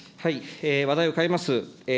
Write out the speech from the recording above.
話題を変えます。